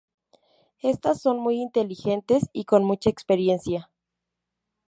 Estas son muy inteligentes y con mucha experiencia.